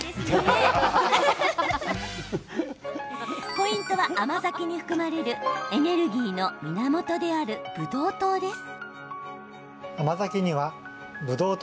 ポイントは甘酒に含まれるエネルギーの源であるブドウ糖です。